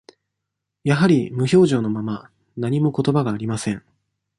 やはり無表情のまま、何もことばがありません。